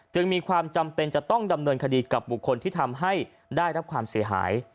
จึงมีความจำเป็นจะต้องดำเนินคดีกับบุคคลที่ทำให้ได้รับความเสียหาย